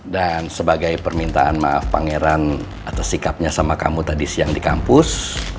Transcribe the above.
dan sebagai permintaan maaf pangeran atas sikapnya sama kamu tadi siang di kampus